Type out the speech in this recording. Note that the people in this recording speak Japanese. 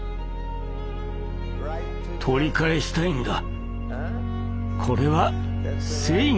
取り返したいんだ。